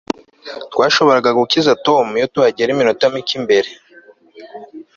Twashoboraga gukiza Tom iyo tuhagera iminota mike mbere